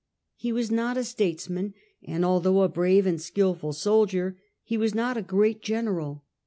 He was not a statesman, and, although a brave and skDful soldier, he was not a great general.